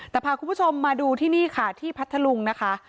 แต่พาคุณผู้ชมมาดูที่นี่ค่ะที่พัทธลุงนะคะ